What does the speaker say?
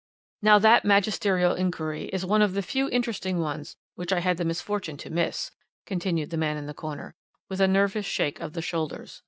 "Now that magisterial inquiry is one of the few interesting ones which I had the misfortune to miss," continued the man in the corner, with a nervous shake of the shoulders.